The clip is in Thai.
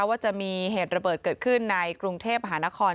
ว่าจะมีเหตุระเบิดเกิดขึ้นในกรุงเทพมหานคร